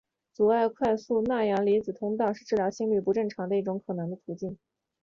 阻碍快速钠阳离子通道是治疗心律不正常的一种可能的途径。